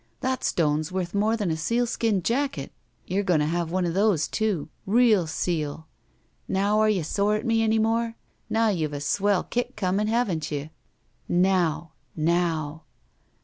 That stone's worth more than a sealskin jacket. You're going to have one of those, too. Real seal! Now are you sore at me any more? Now you've a swell kick coming, haven't you? Now! Now!"